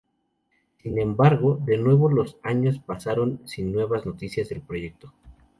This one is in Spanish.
Sin embargo, de nuevo los años pasaron sin nuevas noticias del proyecto.